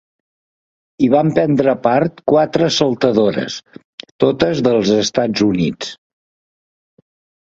Hi van prendre part quatre saltadores, totes dels Estats Units.